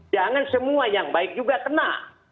jangan semua yang baik juga kena